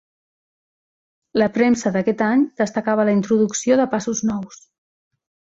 La premsa d'aquest any destacava la introducció de passos nous.